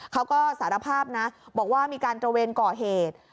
เขาก็สารภาพนะบอกว่ามีการตระเวนก่อเหตุ